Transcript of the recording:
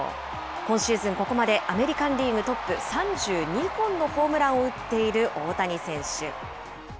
今シーズン、ここまでアメリカンリーグトップ、３２本のホームランを打っている大谷選手。